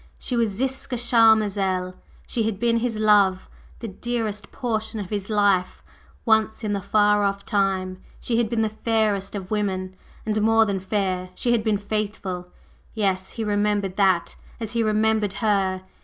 She was Ziska Charmazel, she had been his love the dearest portion of his life once in the far off time; she had been the fairest of women and more than fair, she had been faithful! Yes, he remembered that, as he remembered Her!